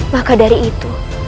maka dari itu